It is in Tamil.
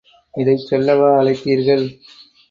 இதைச் சொல்லவா அழைத்தீர்கள்?